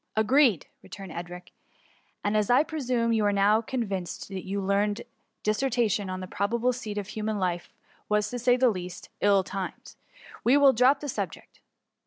*^" Agreed !'' returned Edric ;" and as I pre sume you are now convinced your learned dis sertation on the probable seat of human life was, to say the least, ill timed, we will drop the sub ject.